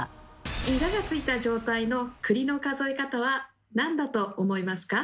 イガがついた状態の栗の数え方は何だと思いますか？